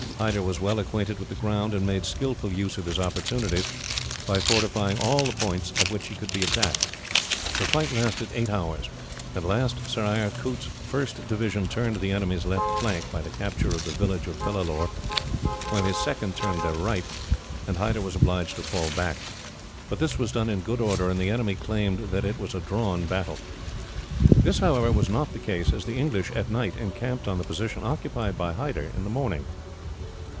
Hyder was well acquainted with the ground, and made skilful use of his opportunities, by fortifying all the points at which he could be attacked. The fight lasted eight hours. At last Sir Eyre Coote's first division turned the enemy's left flank, by the capture of the village of Pillalore; while his second turned their right, and Hyder was obliged to fall back. But this was done in good order, and the enemy claimed that it was a drawn battle. This, however, was not the case, as the English, at night, encamped on the position occupied by Hyder in the morning.